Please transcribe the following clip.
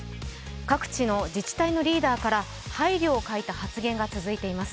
各地の自治体のリーダーから配慮を欠いた発言が続いています。